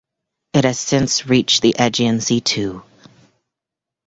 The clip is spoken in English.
It has since reach the Aegean Sea too.